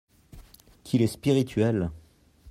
Qu’il est spirituel !